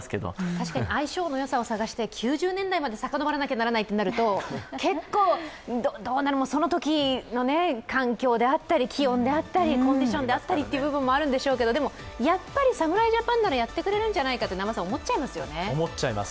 確かに相性のよさを探して９０年代までさかのぼらなければならないことからすると結構、そのときの環境であったり、気温であったりコンディションであったりという部分もあるんでしょうけど侍ジャパンならやってくれるんじゃないかと思っちゃいます。